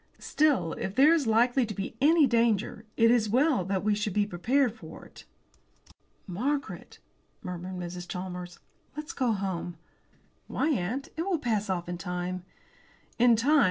Still, if there is likely to be any danger it is as well that we should be prepared for it." "Margaret," murmured Mrs. Chalmers, "let's go home." "Why, aunt? It will pass off in time." In time!